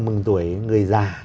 mừng tuổi người già